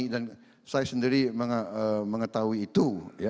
dan saya sendiri mengetahui itu